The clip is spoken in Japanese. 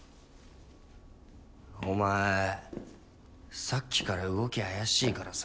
お前さっきから動き怪しいからさ。